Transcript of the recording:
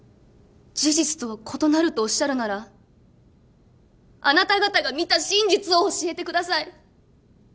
事実とは異なるとおっしゃるならあなた方が見た真実を教えてください。